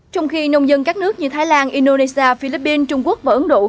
trong khi nông dân các nước như thái lan indonesia philippines trung quốc và ấn độ